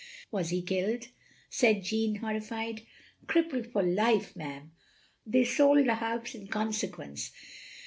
" "Was he killed?" said Jeanne, horrified. "Crippled for life, ma'am. They sold the house in consequence.